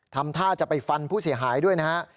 ทำท่าจะไปฟันผู้เสียหายด้วยนะฮะ